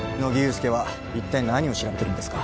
助は一体何を調べてるんですか